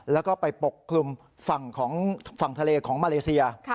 แล้วก็ไปปกคลุมฝั่งของฝั่งทะเลของมาเลเซีย